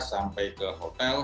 sampai ke hotel